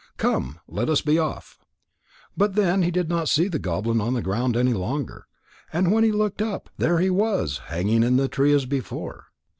Come, let us be off." But then he did not see the goblin on the ground any longer. And when he looked up, there he was, hanging in the tree as before.